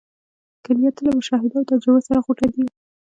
کلیات یې له مشاهدو او تجربو سره غوټه دي.